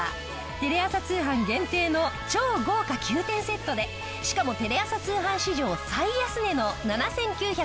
テレ朝通販限定の超豪華９点セットでしかもテレ朝通販史上最安値の７９８０円！